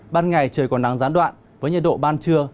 ban ngày trời còn nắng gián đoạn với nhiệt độ ban trưa